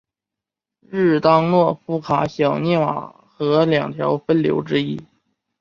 日当诺夫卡小涅瓦河两条分流之一。